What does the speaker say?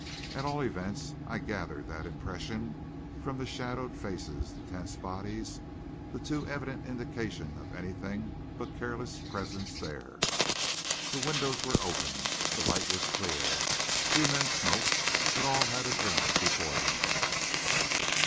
At all events, I gathered that impression from the shadowed faces, the tense bodies, the too evident indication of anything but careless presence there. The windows were open. The light was clear. Few men smoked, but all had a drink before them.